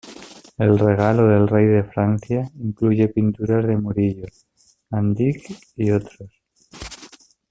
El regalo del Rey de Francia incluye pinturas de Murillo, Van Dyke y otros.